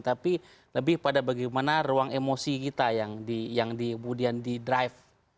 tapi lebih pada bagaimana ruang emosi kita yang kemudian di drive